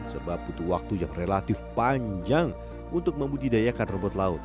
sebab butuh waktu yang relatif panjang untuk membudidayakan robot laut